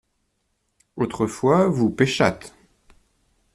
Autrefois vous pêchâtes.